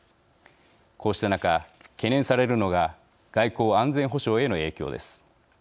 こうした中、懸念されるのが外交安全保障への影響です。